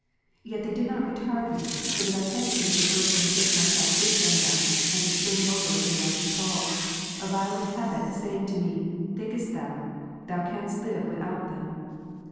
Yet they did retard me, so that I hesitated to burst and shake myself free from them, and to spring over whither I was called ; a violent habit saying to me, " Thinkest thou, thou canst live without them